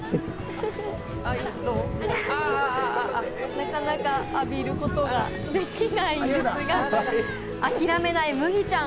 なかなか浴びることができないんですが、諦めないむぎちゃん。